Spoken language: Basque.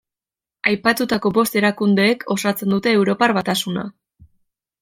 Aipatutako bost erakundeek osatzen dute Europar Batasuna.